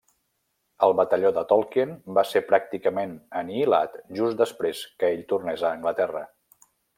El batalló de Tolkien va ser pràcticament anihilat just després que ell tornés a Anglaterra.